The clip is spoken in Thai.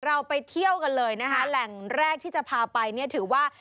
เราไปเที่ยวกันเลยนะคะแหล่งแรกที่จะพาไปเนี่ยถือว่า